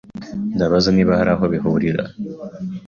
Ndabaza niba hari aho bihurira.